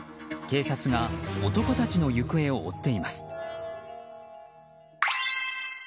警察が男たちの行方を追っています。